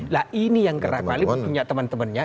lah ini yang kerap kali punya temen temennya